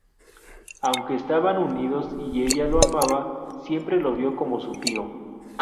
Aunque estaban unidos y ella lo amaba, siempre lo vio como su tío.